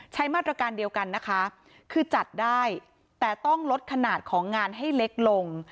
ใช้มาตรการเดียวกันนะคะคือจัดได้แต่ต้องลดขนาดของงานให้เล็กลง